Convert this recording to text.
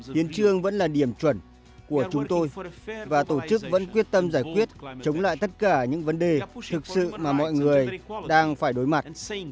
hiến trương vẫn là điểm chuẩn của chúng tôi và tổ chức vẫn quyết tâm giải quyết chống lại tất cả những vấn đề thực sự mà mọi người đang phải đối mặt